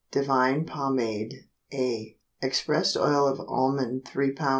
DIVINE POMADE A. Expressed oil of almond 3 lb.